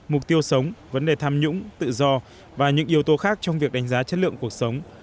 mục tiêu sống vấn đề tham nhũng tự do và những yếu tố khác trong việc đánh giá chất lượng cuộc sống